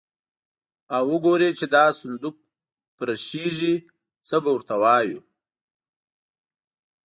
او وګوري چې دا صندوق پرشېږي، څه به ور ته وایو.